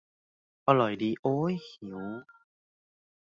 อร่อยดี โอ้ย หิว